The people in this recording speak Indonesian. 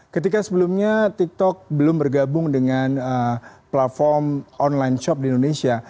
ketika sebelumnya tiktok belum bergabung dengan platform online shop di indonesia